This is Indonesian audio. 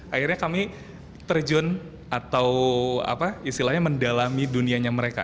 akhirnya kami terjun atau apa istilahnya mendalami dunianya mereka